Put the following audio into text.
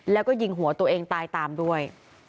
แล้วก็ยิงหัวตัวเองตายตามด้วย